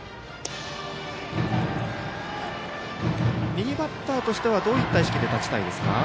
右バッターとしてはどんな意識で立ちたいですか？